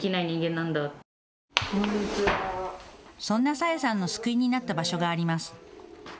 そんな紗英さんの救いになった場所があります。